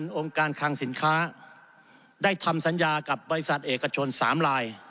องค์การคังสินค้าได้ทำสัญญากับบริษัทเอกชน๓ลาย